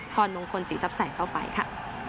พรมงคลศรีทรัพย์ใส่เข้าไปค่ะ